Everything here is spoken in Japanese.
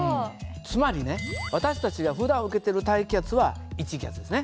つまりね私たちがふだん受けてる大気圧は１気圧ですね。